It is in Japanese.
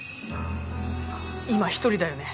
今一人だよね？